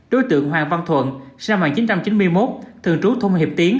đối tượng hoàng văn thuận sinh năm một nghìn chín trăm chín mươi một thường trú thông hiệp tiến